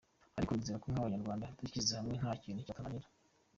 Ariko nizera ko nk’abanyarwanda dushyize hamwe nta kintu cyatunanira.